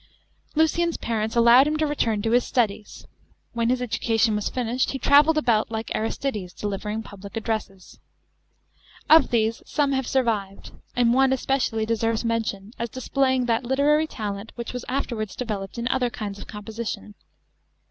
Lucian's parents allowed him to return to his studies. When his education was finished, he travelled about, like Aristides, delivering public addresses. Of these some have survived, and one especially deserves mention, as displaying that literary talent which was afterwards developed in other kinds of composi tion.